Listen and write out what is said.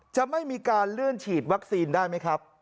จะไม่มีการเลื่อนฉีดวัคซีนได้ไหมครับ